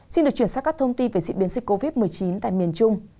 xin được chuyển sang các thông tin về diễn biến dịch covid một mươi chín tại miền trung